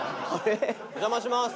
お邪魔します！